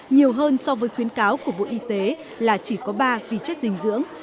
nhiều hơn so với khuyến cáo của bộ y tế là chỉ có ba vi chất dinh dưỡng